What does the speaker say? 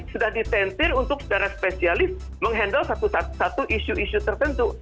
sudah ditentir untuk secara spesialis menghandle satu isu isu tertentu